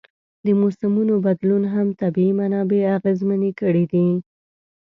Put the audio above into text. د موسمونو بدلون هم طبیعي منابع اغېزمنې کړي دي.